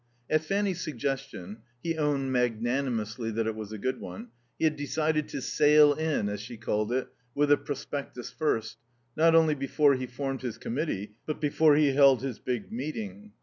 At Fanny's suggestion (he owned magnanimously that it was a good one) he had decided to "sail in," as she called it, with the prospectus first, not only before he formed his Committee, but before he held his big meeting.